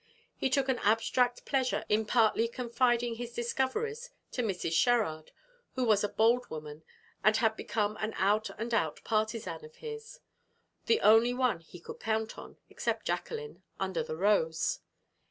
He took an abstract pleasure in partly confiding his discoveries to Mrs. Sherrard, who was a bold woman, and had become an out and out partisan of his the only one he could count on, except Jacqueline, under the rose.